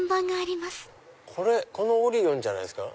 このオリオンじゃないですか？